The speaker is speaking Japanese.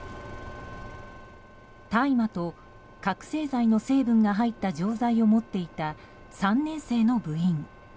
大麻と覚醒剤の成分が入った錠剤を持っていた３年生の部員。